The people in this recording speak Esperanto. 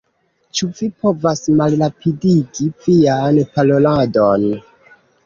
Ĉu vi povas malrapidigi vian paroladon?